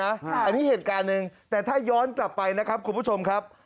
อันนี้เหตุการณ์หนึ่งแต่ถ้าย้อนกลับไปนะครับคุณผู้ชมครับ